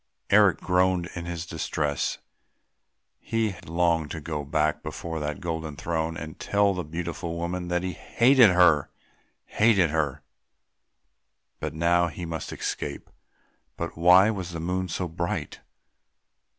Eric groaned in his distress; he longed to go back before that golden throne and tell the beautiful woman that he hated her ... hated her!... But now he must escape but why was the moon so bright?